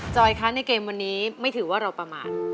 คะในเกมวันนี้ไม่ถือว่าเราประมาท